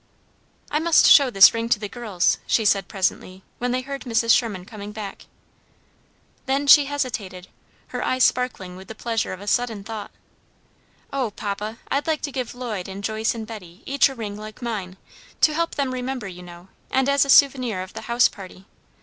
"I must show this ring to the girls," she said, presently, when they heard Mrs. Sherman coming back. Then she hesitated, her eyes sparkling with the pleasure of a sudden thought. "Oh, papa, I'd like to give Lloyd and Joyce and Betty each a ring like mine, to help them remember, you know, and as a souvenir of the house party.